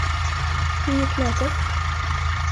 Hur gick mötet?